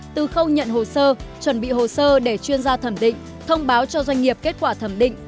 từ khâu nhận hồ sơ chuẩn bị hồ sơ để chuyên gia thẩm định thông báo cho doanh nghiệp kết quả thẩm định